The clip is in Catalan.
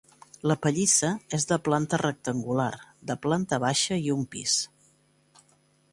La pallissa és de planta rectangular, de planta baixa i un pis.